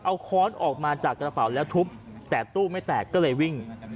เอาค้อนออกมาจากกระเป๋าแล้วทุบแต่ตู้ไม่แตกก็เลยวิ่ง